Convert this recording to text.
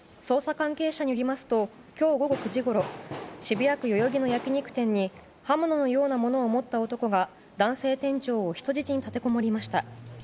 捜査関係者によりますと今日午後９時ごろ渋谷区代々木の焼き肉店に刃物のようなものを持った男が男性店長を人質に立てこもりました。